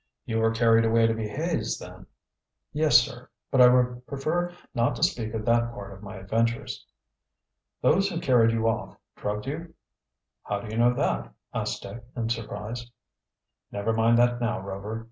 "You were carried away to be hazed, then?" "Yes, sir; but I would prefer not to speak of that part of my adventures." "Those who carried you off drugged you." "How do you know that?" asked Dick, in surprise. "Never mind that now, Rover.